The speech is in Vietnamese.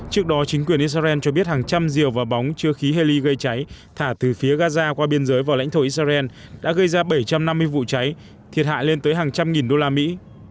trước đó chính quyền israel cho biết hàng trăm rìu và bóng chưa khí hally gây cháy thả từ phía gaza qua biên giới vào lãnh thổ israel đã gây ra bảy trăm năm mươi vụ cháy thiệt hại lên tới hàng trăm nghìn đô la mỹ